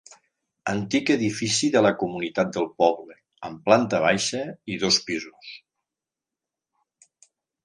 Antic edifici de la comunitat del poble, amb planta baixa i dos pisos.